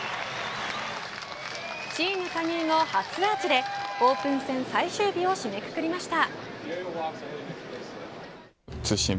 チーム加入後、初アーチでオープン戦最終日を締めくくりました。